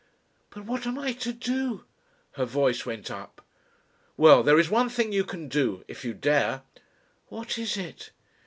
"But what am I to do?" Her voice went up. "Well there is one thing you can do. If you dare." "What is it?"